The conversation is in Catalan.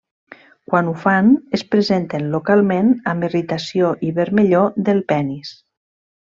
Quan ho fan, es presenten localment amb irritació i vermellor del penis.